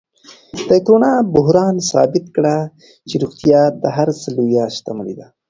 د کرونا بحران ثابت کړه چې روغتیا تر هر څه لویه شتمني ده.